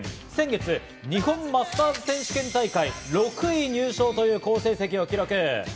先月、日本マスターズ選手権大会６位入賞という好成績を記録。